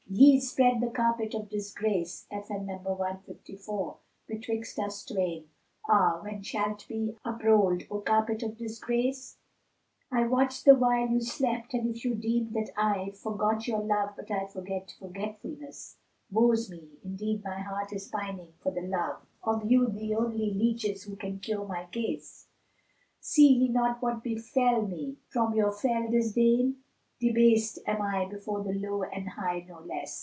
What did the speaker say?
Ye spread the Carpet of Disgrace[FN#154] betwixt us twain; * Ah, when shalt be uprolled, O Carpet of Disgrace? I watched the while you slept; and if you deemed that I * Forgot your love I but forget forgetfulness: Woe's me! indeed my heart is pining for the love * Of you, the only leaches who can cure my case: See ye not what befel me from your fell disdain? * Debased am I before the low and high no less.